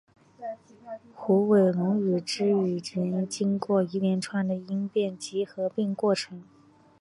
虎尾垄语之语音经过一连串的音变及合并过程。